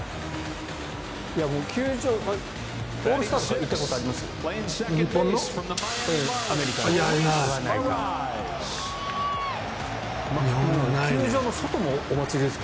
オールスター行ったことあります？